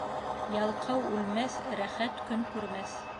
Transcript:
Ялҡау үлмәҫ, рәхәт көн күрмәҫ.